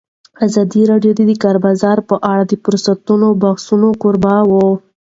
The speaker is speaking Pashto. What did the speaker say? ازادي راډیو د د کار بازار په اړه د پرانیستو بحثونو کوربه وه.